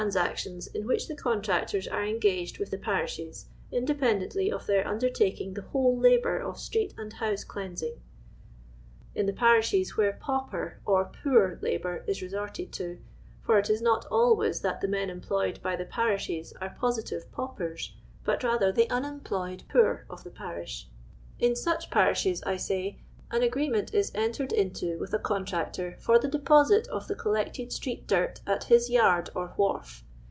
sctions in which the contractors aro engaged with the piri^h'. d, inde pendently of their undertaking the whole labour of street and hou. jc cleansing. In tlje I'ariitlios where paupir, or " poor* labour is resortid to — for it is n<»t alwnys that the men employed by the parishes arc |o.iitive piiuj»orf," but rnther the unemplftyed jroor of the jtarish — in tuih parishes, I say, an ii^jreement i> entered into with a contractor for the deposit of the collected street dirt at hi:* yard or wharf.